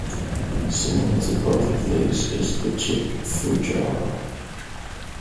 Similar to both of these is the Czech fujara.